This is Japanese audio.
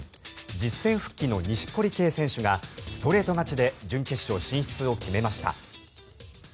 実戦復帰の錦織圭選手がストレート勝ちで準決勝進出を決めました。